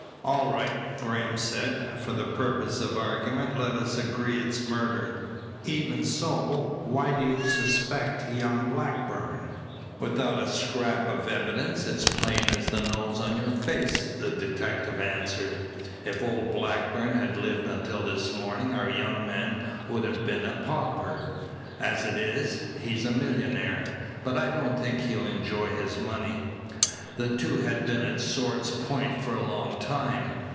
"All right," Graham said. "For the purpose of argument let us agree it's murder. Even so, why do you suspect young Blackburn?" "Without a scrap of evidence it's plain as the nose on your face," the detective answered. "If old Blackburn had lived until this morning our young man would have been a pauper. As it is, he's a millionaire, but I don't think he'll enjoy his money. The two had been at sword's points for a long time.